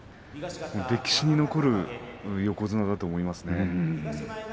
歴史に残る横綱だと思います。